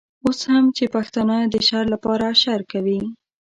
اوس هم چې پښتانه د شر لپاره اشر کوي.